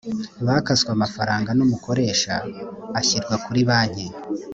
bakaswe amafaranga n umukoresha ashyirwa kuri banki